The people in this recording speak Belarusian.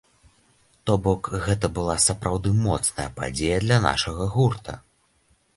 То бок, гэта была сапраўды моцная падзея для нашага гурта.